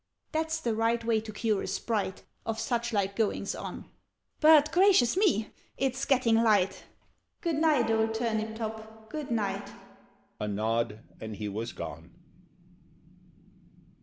"That's the right way to cure a Sprite Of such like goings on But gracious me! It's getting light! Good night, old Turnip top, good night!" A nod, and he was gone.